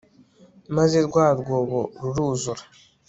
maze rwa rwobo ruruzura